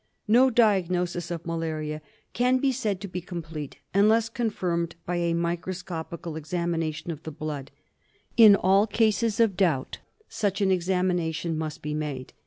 No diagnosis of malaria can be said to be complete unless confirmed by a microscopical examination of the blood. In all cases of doubt such an examination must be made.